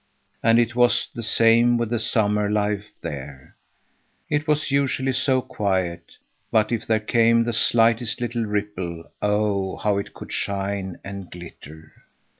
And it was the same with the summer life there; it was usually so quiet, but if there came the slightest, little ripple—oh, how it could shine and glitter!